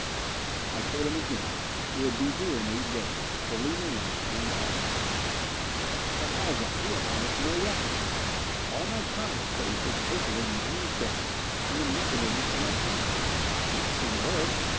I told him again. It would be here in eight days. Fully manned and armed. "But Haljan, we have almost no weapons! All my Comet's space was taken with mining equipment and the mechanisms for my camp. I can't signal Earth!